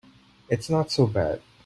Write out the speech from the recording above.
It's not so bad.